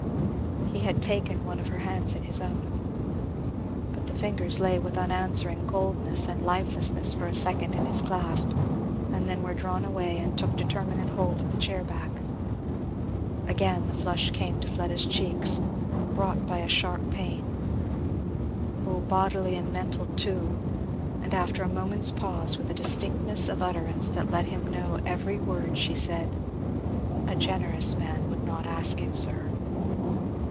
He had taken one of her hands in his own. But the fingers lay with unanswering coldness and lifelessness for a second in his clasp and then were drawn away and took determinate hold of the chair back. Again the flush came to Fleda's cheeks, brought by a sharp pain, oh, bodily and mental too! and after a moment's pause, with a distinctness of utterance that let him know every word, she said, "A generous man would not ask it, sir."